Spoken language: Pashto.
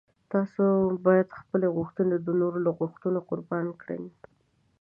تاسو باید خپلې غوښتنې د نورو له غوښتنو قرباني کړئ.